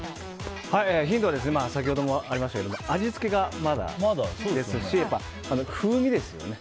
ヒントは先ほどもありましたけど味付けがまだですし風味ですよね。